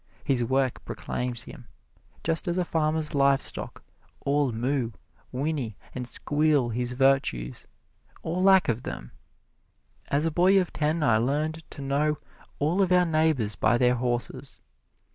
His work proclaims him, just as a farmer's livestock all moo, whinny and squeal his virtues or lack of them. As a boy of ten I learned to know all of our neighbors by their horses.